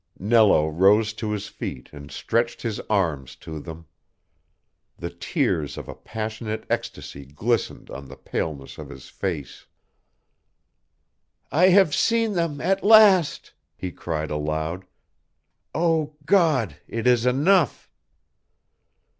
Nello rose to his feet and stretched his arms to them; the tears of a passionate ecstasy glistened on the paleness of his face. "I have seen them at last!" he cried aloud. "O God, it is enough!"